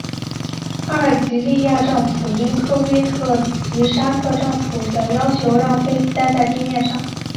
阿尔及利亚政府应科威特及沙特政府的要求让飞机待在地面上。